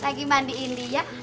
lagi mandiin dia